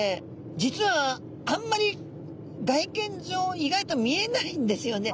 実はあんまり外見上意外と見えないんですよね。